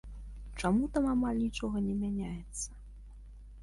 Чаму там амаль нічога не мяняецца?